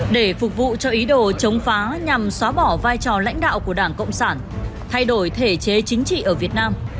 để phục vụ cho ý đồ chống phá nhằm xóa bỏ vai trò lãnh đạo của đảng cộng sản thay đổi thể chế chính trị ở việt nam